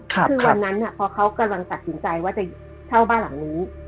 คือวันนั้นพอเขากำลังตัดสินใจว่าจะเช่าบ้านหลังนี้